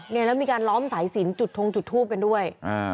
แล้วมีการล้อมสายสินจุดทงจุดทูบกันด้วย